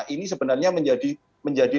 ini sebenarnya menjadi